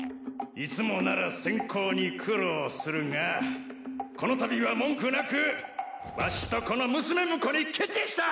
いつもなら選考に苦労するがこのたびは文句なくわしとこの娘婿に決定した！